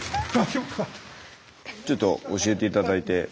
ちょっと教えて頂いて。